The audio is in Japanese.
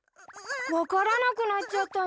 分からなくなっちゃったの？